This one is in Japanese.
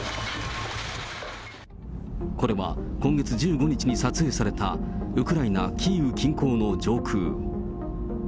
これは、今月１５日に撮影されたウクライナ・キーウ近郊の上空。